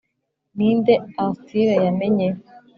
ninde arthur yamenye?